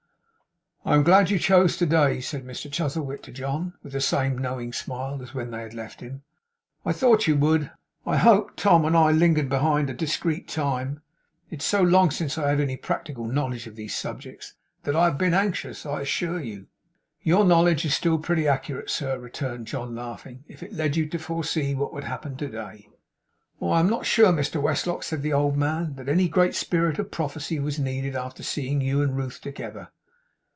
'I am glad you chose to day,' said Mr Chuzzlewit to John; with the same knowing smile as when they had left him. 'I thought you would. I hoped Tom and I lingered behind a discreet time. It's so long since I had any practical knowledge of these subjects, that I have been anxious, I assure you.' 'Your knowledge is still pretty accurate, sir,' returned John, laughing, 'if it led you to foresee what would happen to day.' 'Why, I am not sure, Mr Westlock,' said the old man, 'that any great spirit of prophecy was needed, after seeing you and Ruth together.